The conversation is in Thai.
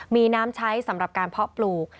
มีน้ำใช้สำหรับการเพาะปลูก